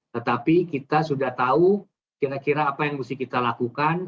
tetapi kita sudah tahu kira kira apa yang mesti kita lakukan